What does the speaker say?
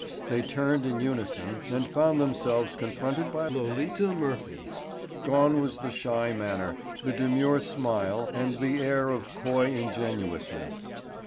They turned in unison and found themselves confronted by Lolita Murphy. Gone was the shy manner, the demure smile and the air of coy ingenuousness.